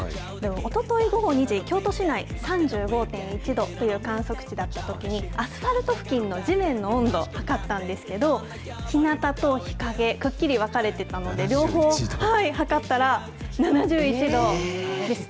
おととい午後２時、京都市内３５．１度という観測値だったときに、アスファルト付近の地面の温度測ったんですけど、ひなたと日陰、くっきり分かれてたので、両方測ったら、７１度です。